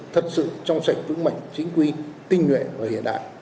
thật sự trong sạch vững mạnh chính quy tinh nhuệ hiện đại